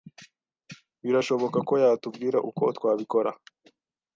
birashoboka ko yatubwira uko twabikora